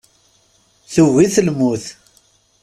Tugi-t lmut.